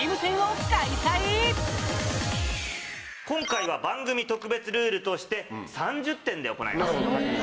今回は番組特別ルールとして３０点で行います。